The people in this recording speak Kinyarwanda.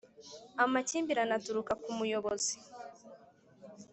amakimbirane aturuka ku muyobozi